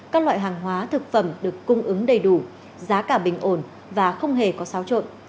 các loại hàng hóa thực phẩm được cung ứng đầy đủ giá cả bình ổn và không hề có xáo trộn